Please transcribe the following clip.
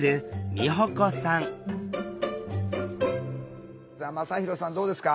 真大さんどうですか？